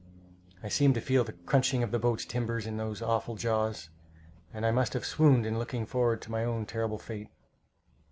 I seemed to feel the crunching of the boat's timbers in those awful jaws, and I must have swooned in looking forward to my own terrible fate.